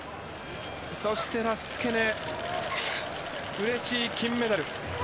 そして、ラシツケネうれしい金メダル。